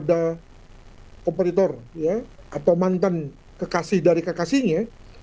ada operator atau mantan kekasih dari kekasihnya